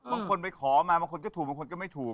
บางคนไปขอมาบางคนก็ถูกบางคนก็ไม่ถูก